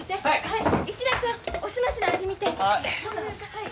はい。